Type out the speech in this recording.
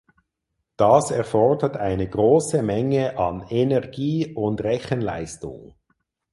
Das erfordert eine große Menge an Energie und Rechenleistung.